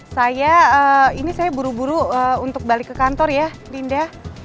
saya ini saya buru buru untuk balik ke kantor ya dinda